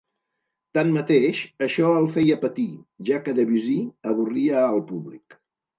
Tanmateix, això el feia patir, ja que Debussy avorria al públic.